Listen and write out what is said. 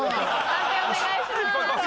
判定お願いします。